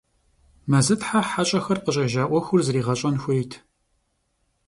Мэзытхьэ хьэщӀэхэр къыщӀежьа Ӏуэхур зригъэщӀэн хуейт.